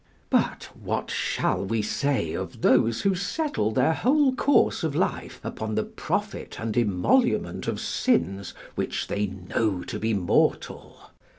But what shall we say of those who settle their whole course of life upon the profit and emolument of sins, which they know to be mortal?